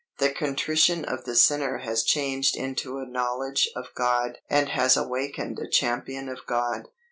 The contrition of the sinner has changed into a knowledge of God and has awakened a champion of God.